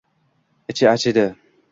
Ichi achidi.